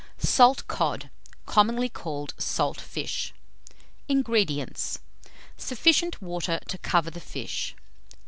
SALT COD, COMMONLY CALLED "SALT FISH." 233. INGREDIENTS. Sufficient water to cover the fish.